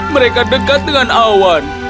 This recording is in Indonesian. mereka dekat dengan awan